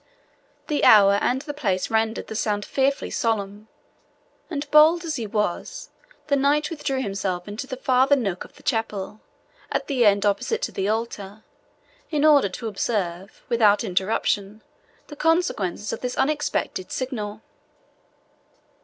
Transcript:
The hour and the place rendered the sound fearfully solemn, and, bold as he was, the knight withdrew himself into the farther nook of the chapel, at the end opposite to the altar, in order to observe, without interruption, the consequences of this unexpected signal.